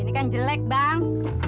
ini kan jelek bang